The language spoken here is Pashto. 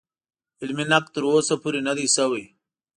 علمي نقد تر اوسه پورې نه دی شوی.